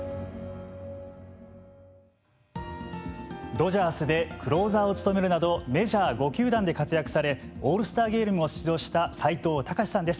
ドジャースでクローザーを務めるなどメジャー５球団で活躍されオールスターゲームにも出場した斎藤隆さんです。